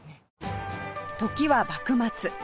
時は幕末